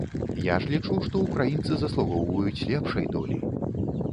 Я ж лічу, што ўкраінцы заслугоўваюць лепшай долі.